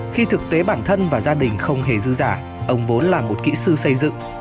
khi thực tế bản thân và gia đình không hề dư giả ông vốn là một kỹ sư xây dựng